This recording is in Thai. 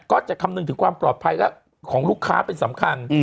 จะคำนึงถึงความปลอดภัยและของลูกค้าเป็นสำคัญ